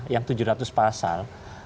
yang tujuh ratus pasal